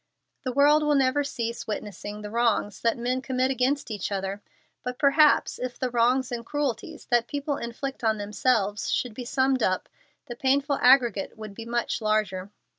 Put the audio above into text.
The world will never cease witnessing the wrongs that men commit against each other; but perhaps if the wrongs and cruelties that people inflict on themselves could be summed up the painful aggregate would be much larger.